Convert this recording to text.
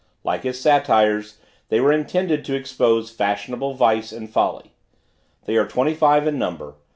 Like his Satires, they were intended to expose fashionable vice and folly. They are twenty five in number.